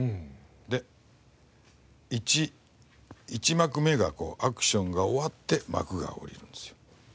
で１幕目がアクションが終わって幕が下りるんですよ。